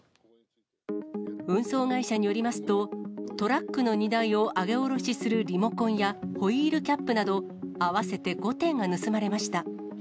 運送会社によりますと、トラックの荷台を上げ下ろしするリモコンや、ホイールキャップなど、合わせて５点が盗まれました。